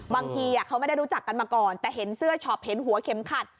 บางทีเขาไม่ได้รู้จักกันมาก่อนแต่เห็นเสื้อช็อปเห็นหัวเข็มขัด